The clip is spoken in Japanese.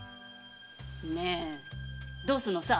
ねえどうするのさ？